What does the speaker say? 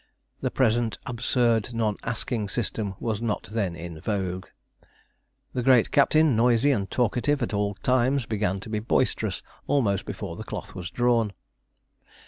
The present absurd non asking system was not then in vogue. The great captain, noisy and talkative at all times, began to be boisterous almost before the cloth was drawn.